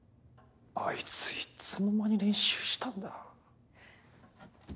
あいついつの間に練習したんだ。